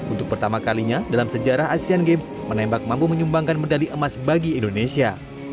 untuk pertama kalinya dalam sejarah asean games menembak mampu menyumbangkan medali emas bagi indonesia